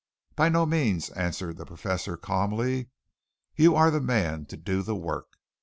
"By no means," answered the Professor calmly. "You are the man to do the work.